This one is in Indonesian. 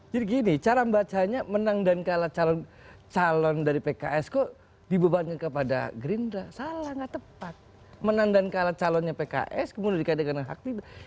jadi gini cara bacanya menang dan kalah calon calon dari pks kok dibebankan kepada gerindra salah gak tepat menang dan kalah calonnya pks kemudian dikaitkan dengan hak tidak